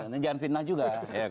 ini jangan finah juga